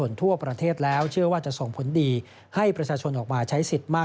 กตบอกไว้ดังนั้นสิ่งที่ไม่แน่ใจก็ไม่ควรทำ